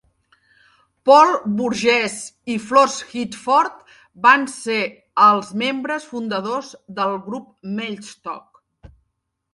Paul Burgess i Flos Headford van ser els membres fundadors del grup Mellstock.